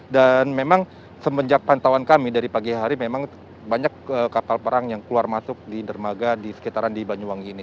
dan memang semenjak pantauan kami dari pagi hari memang banyak kapal perang yang keluar masuk di nermaga di sekitaran di banyuwangi ini